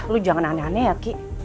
lu jangan aneh aneh ya ki